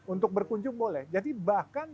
untuk berkunjung boleh jadi bahkan